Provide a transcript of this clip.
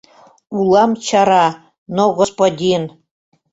Улам чара, но господин!